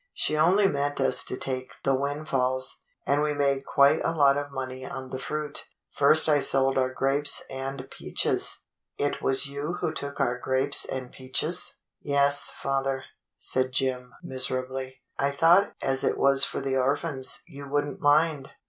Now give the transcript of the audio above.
She only meant us to take the windfalls. And we made quite a lot of money on the fruit. First I sold our grapes and peaches —" "It was you who took our grapes and peaches?", 122 THE BLUE AUNT "Yes, father," said Jim miserably. "I thought as it was for the orphans you would n't mind."